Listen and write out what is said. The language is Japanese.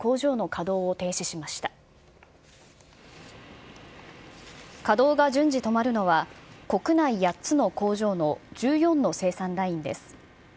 稼働が順次止まるのは、国内８つの工場の１４の生産ラインです。